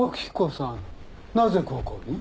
なぜここに？